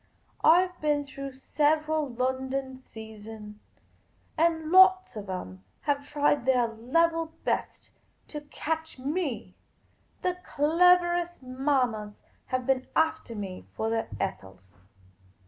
I 've been through several London seasons, and lots of 'em have tried their level best to catch me ; the cleverest mammas have been aftali me for their Ethels.